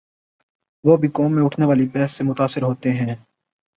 وہ بھی قوم میں اٹھنے والی بحث سے متاثر ہوتے ہیں۔